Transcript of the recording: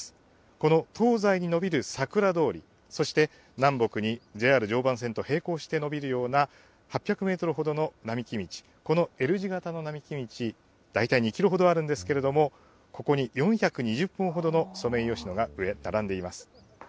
この東西に延びる桜通り、そして、南北にＪＲ常磐線と平行して延びるような８００メートルほどの並木道、このＬ字型の並木道、大体２キロほどあるんですけれども、ここに４２０本ほどのソメイヨシノが並んでいます。